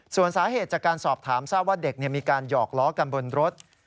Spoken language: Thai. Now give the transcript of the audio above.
ส่วนสาเหตุจากการสอบถามทราบว่าเด็กมีการหยอกล้อกันบนรถ